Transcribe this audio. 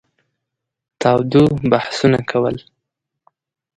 تاوده بحثونه کول.